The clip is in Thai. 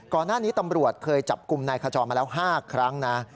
ก่อนหน้านี้ตำรวจเคยจับกลุ่มนายขจรมาแล้ว๕ครั้งนะ